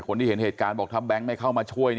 เห็นเหตุการณ์บอกถ้าแบงค์ไม่เข้ามาช่วย